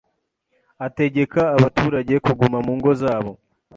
ategeka abaturage kuguma mu ngo zabo